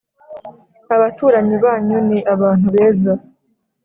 abaturanyi banyu ni abantu beza